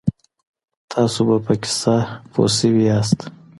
تاسو به په کیسه پوه سوي یاست.